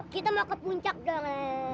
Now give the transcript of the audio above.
kita mau ke puncak gale